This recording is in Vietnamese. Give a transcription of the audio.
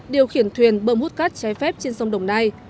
điều khiển thuyền bơm hút cát trái phép trên sông đồng nai